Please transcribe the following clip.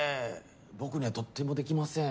僕にはとってもできません